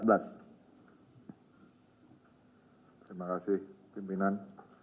terima kasih pimpinan